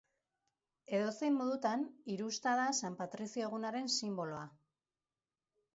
Edozein modutan, hirusta da San Patrizio Egunaren sinboloa da.